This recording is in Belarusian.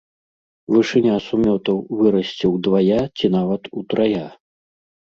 Вышыня сумётаў вырасце ўдвая ці нават утрая.